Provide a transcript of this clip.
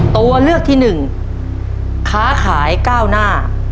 ตัวเลือกที่หนึ่งค้าขายก้าวหน้า